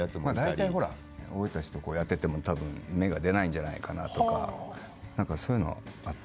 大体俺たちとやってても多分芽が出ないんじゃないかなとか何かそういうのあった。